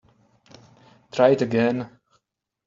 Try it again.